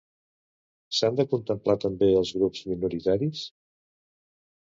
S'han de contemplar també els grups minoritaris?